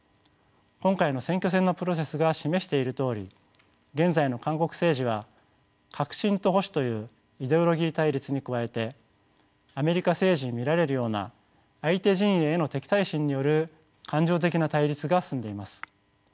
今回の選挙戦のプロセスが示しているとおり現在の韓国政治は革新と保守というイデオロギー対立に加えてアメリカ政治に見られるような相手陣営への敵対心による感情的な対立が進んでいます。